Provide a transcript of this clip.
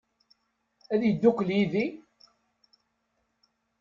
Ad yeddukel yid-i?